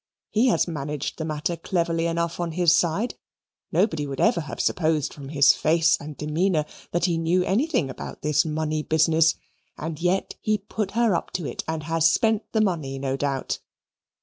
He has managed the matter cleverly enough on his side. Nobody would ever have supposed from his face and demeanour that he knew anything about this money business; and yet he put her up to it, and has spent the money, no doubt.